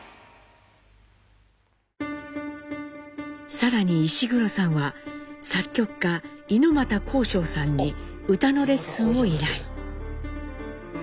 更に石黒さんは作曲家猪俣公章さんに歌のレッスンを依頼。